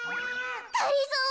がりぞー？